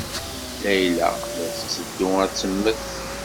Layla la tetteddu ad temmet.